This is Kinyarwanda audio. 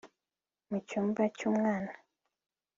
mucyumba cy'umwana